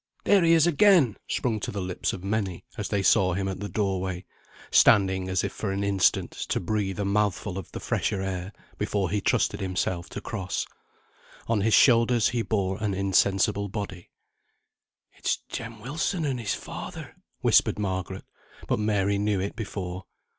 "There he is again!" sprung to the lips of many, as they saw him at the doorway, standing as if for an instant to breathe a mouthful of the fresher air, before he trusted himself to cross. On his shoulders he bore an insensible body. "It's Jem Wilson and his father," whispered Margaret; but Mary knew it before.